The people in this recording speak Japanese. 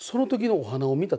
お花を見て？